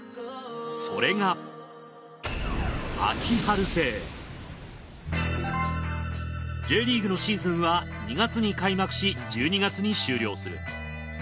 それがＪリーグのシーズンは２月に開幕し１２月に終了する。